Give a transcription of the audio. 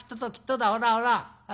ほらほら。